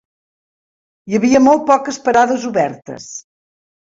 Hi havia molt poques parades obertes